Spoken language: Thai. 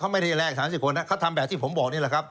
เขาไม่ได้แลก๓๐คนนะเขาทำแบบที่ผมบอกนี่แหละครับ